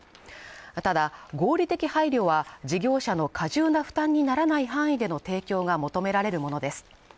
ただ、合理的配慮は事業者の過重な負担にならない範囲での提供が求められるものです。